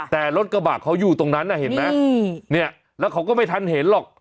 แต่รถกระบะเขาอยู่ตรงนั้นน่ะเห็นไหมเนี่ยแล้วเขาก็ไม่ทันเห็นหรอก